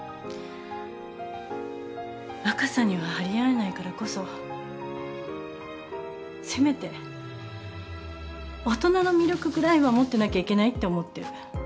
若さには張り合えないからこそせめて大人の魅力くらいは持ってなきゃいけないって思ってる。